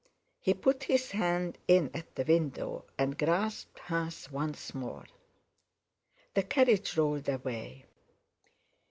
He put his hand in at the window and grasped hers once more. The carriage rolled away.